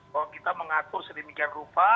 bahwa kita mengatur sedemikian rupa